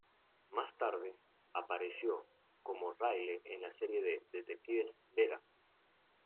Más tarde, apareció como Riley en la serie de detectives "Vera".